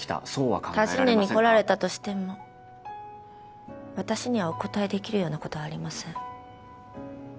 尋ねに来られたとしても私にはお答えできるようなことはありません